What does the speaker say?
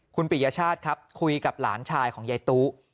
คุณปิยชาติครับคุยกับหลานชายของยายตู้